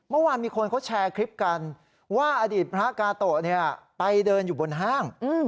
เมื่อวานมีคนเขาแชร์คลิปกันว่าอดีตพระกาโตะไปเดินอยู่บนห้าง